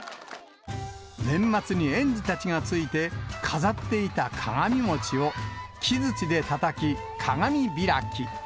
年末に園児たちがついて、飾っていた鏡餅を、木づちでたたき、鏡開き。